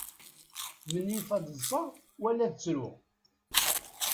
Menyif ad ḍseɣ wala ad ttruɣ.